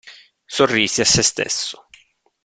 Sorrise a sé stesso.